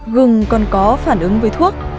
gừng còn có phản ứng với thuốc